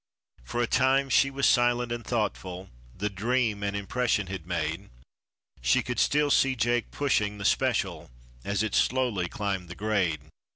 For a time she was silent and thoughtful, the dream an impression had made, She could still see Jake pushing the special, as it slowly climbed the grade.